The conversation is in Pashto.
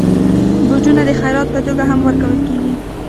بوټونه د خيرات په توګه هم ورکول کېږي.